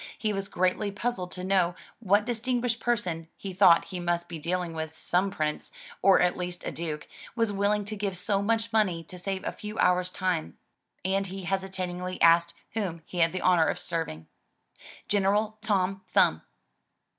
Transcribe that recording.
He was greatly puzzled to know what dis tinguished person — he thought he must be dealing with some prince, or at least a duke, — ^was willing to give so much money to save a few hours' time, and he hesitatingly asked whom he had the honor of serving. "General Tom Thumb!"